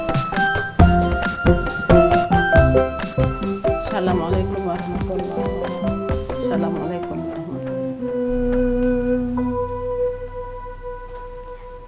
assalamualaikum warahmatullahi wabarakatuh